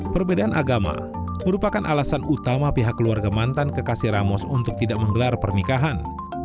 perbedaan agama merupakan alasan utama pihak keluarga mantan kekasih ramos untuk tidak menggelar pernikahan